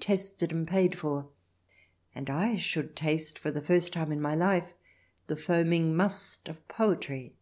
xxi tested and paid for, and 1 should taste, for the first time in my life, the foaming must of poetry.